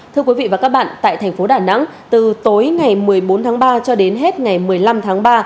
thưa quý vị và các bạn tại thành phố đà nẵng từ tối ngày một mươi bốn tháng ba cho đến hết ngày một mươi năm tháng ba